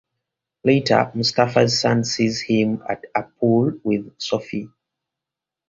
Later Mustafa's son sees him at a pool with Sophie.